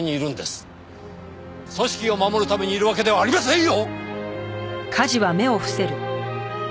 組織を守るためにいるわけではありませんよ！